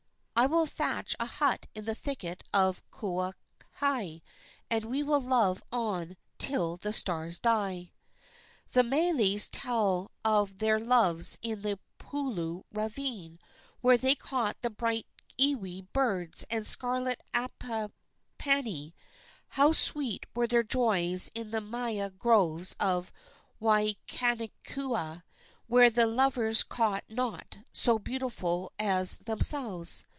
I will thatch a hut in the thicket of Kaohai, and we will love on till the stars die." The meles tell of their loves in the Pulou Ravine, where they caught the bright iwi birds and scarlet apapani. How sweet were their joys in the maia groves of Waiakeakua, where the lovers saw naught so beautiful as themselves!